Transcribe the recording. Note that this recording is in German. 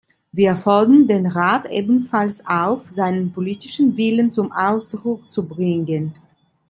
Wir fordern den Rat ebenfalls auf, seinen politischen Willen zum Ausdruck zu bringen.